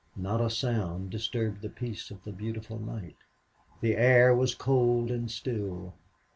Not a sound disturbed the peace of the beautiful night. The air was cold and still.